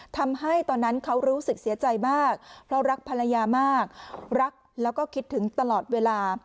ทำให้ตอนนั้นเขารู้สึกเสียใจมากเพราะรักภรรยามากรักแล้วก็คิดถึงตลอดเวลา